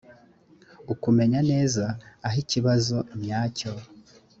ukumenya neza aho ikibazo nyacyo